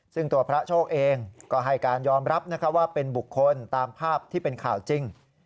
ซึ่งตัวพระโชคเองก็ให้การยอมรับว่าเป็นบุคคลตามภาพที่เป็นข่าวจริง